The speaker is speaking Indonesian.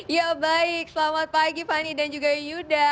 ya baik selamat pagi fani dan juga yuda